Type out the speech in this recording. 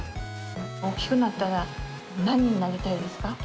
大きくなったら何になりたいですか？